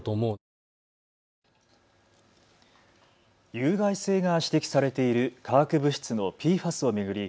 有害性が指摘されている化学物質のＰＦＡＳを巡り